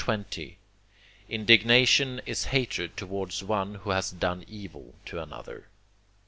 Indignation is hatred towards one who has done evil to another.